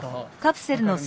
カプセルに。